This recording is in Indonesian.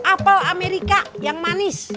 apel amerika yang manis